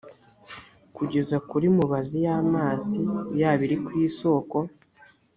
kugeza kuri mubazi y amazi yaba iri ku isoko